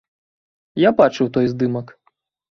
Я бачыў той здымак.